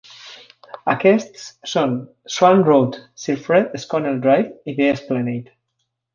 Aquests són Swann Road, Sir Fred Schonell Drive i The Esplanade.